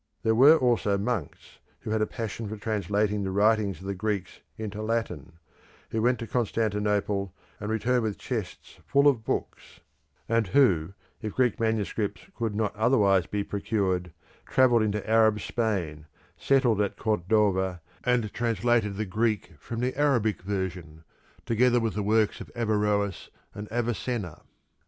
There were also monks who had a passion for translating the writings of the Greeks into Latin; who went to Constantinople and returned with chests full of books, and who, if Greek manuscripts could not otherwise be procured, travelled into Arab Spain, settled at Cordova, and translated the Greek from the Arabic version, together with the works of Averroes and Avicenna.